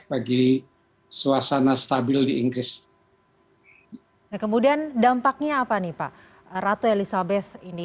bagi suasana stabil di inggris kemudian dampaknya apa nih pak ratu elizabeth ini